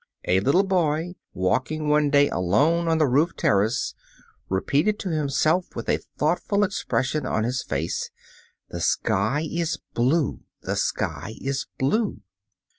A little boy, walking one day alone on the roof terrace, repeated to himself with a thoughtful expression on his face, "The sky is blue! the sky is blue!"